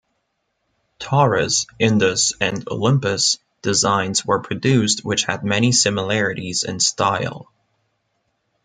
'Taurus', 'Indus' and 'Olympus' designs were produced which had many similarities in style.